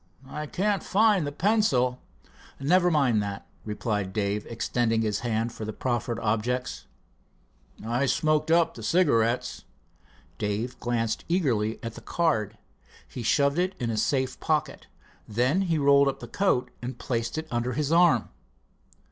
I can't find the pencil." "Never mind that," replied Dave, extending his hand for the proffered objects. "I smoked up the cigarettes." Dave glanced eagerly at the card. He shoved it in a safe pocket. Then he rolled up the coat and placed it under his arm.